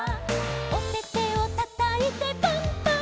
「おててをたたいてパンパンパン！！」